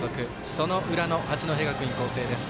その裏の八戸学院光星です。